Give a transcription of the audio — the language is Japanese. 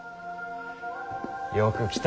よく来た。